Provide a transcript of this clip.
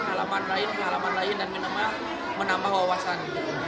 halaman lain halaman lain dan menambah wawasan